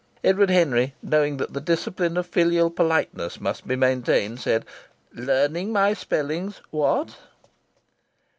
Edward Henry, knowing that the discipline of filial politeness must be maintained, said, "'Learning my spellings' what?"